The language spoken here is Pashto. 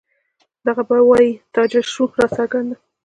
دے به وائي تجال شوه راڅرګنده